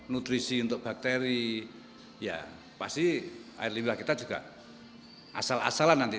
nutrisi untuk bakteri ya pasti air limbah kita juga asal asalan nanti